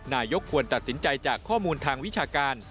นายกควรตัดสินใจจากข้อมูลทางวิชาการ